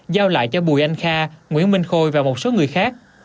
giao lại cho bùi anh kha nguyễn minh khôi và một số người khác